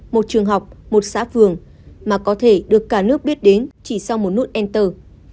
một trường học một xã phường mà có thể được cả nước biết đến chỉ sau một nút enter